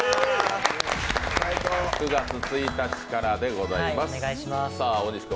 ９月１日からでございます。